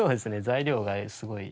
材料がすごい。